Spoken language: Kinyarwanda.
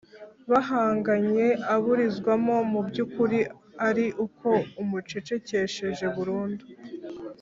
bahanganye aburizwamo mu by'ukuri ari uko umucecekesheje burundu.